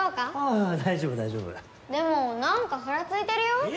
あぁ大丈夫大丈夫・でも何かふらついてるよ。